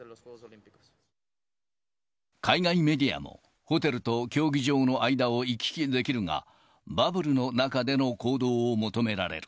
海外メディアも、ホテルと競技場の間を行き来できるが、バブルの中での行動を求められる。